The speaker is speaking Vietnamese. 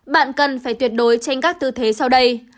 bạn cần phải tuyệt đối tranh các tư thế sau đây